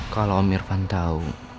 kalau om irfan tau